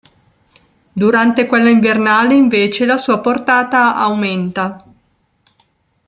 Durante quella invernale, invece, la sua portata aumenta.